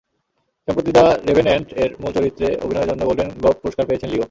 সম্প্রতি দ্য রেভেন্যান্ট-এর মূল চরিত্রে অভিনয়ের জন্য গোল্ডেন গ্লোব পুরস্কার পেয়েছেন লিও।